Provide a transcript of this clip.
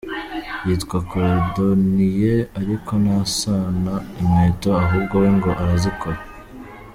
yitwa ‘cordonier’ariko ntasana inkweto, ahubwo we ngo arazikora.